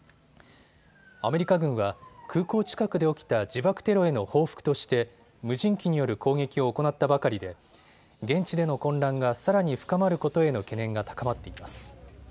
アメリカ軍は空港近くで起きた自爆テロへの報復として無人機による攻撃を行ったばかりで現地での混乱がさらに深まることへの懸念が高まっています。